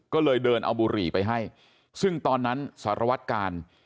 ก็เลยเดินเอาบุหรี่ไปให้ซึ่งตอนนั้นสารวัตกาล